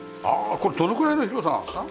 これどのくらいの広さなんですか？